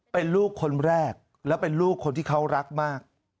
เป็นลูกคนแรกและเป็นลูกคนที่เขารักมาก